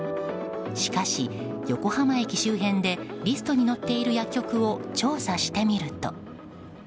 しかし、横浜駅周辺でリストに載っている薬局を調査してみると。